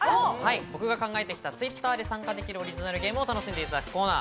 僕が考えてきた、Ｔｗｉｔｔｅｒで参加できるオリジナルゲームを楽しんでいただくコーナー。